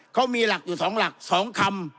เขามีหลักอยู่๒หลัก๒คำ